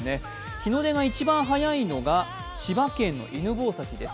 日の出が一番早いのが千葉県の犬吠埼です。